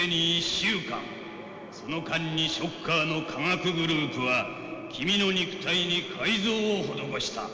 その間にショッカーの科学グループは君の肉体に改造を施した。